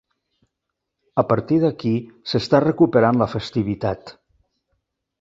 A partir d'aquí s'està recuperant la festivitat.